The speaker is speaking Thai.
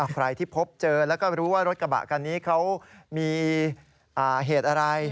ใครที่พบเจอแล้วก็รู้ว่ารถกระบะคันนี้เขามีเหตุอะไร